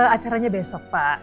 acaranya besok pak